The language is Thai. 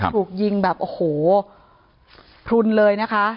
ถูกยิงแบบโอ้โหพลุนเลยนะคะ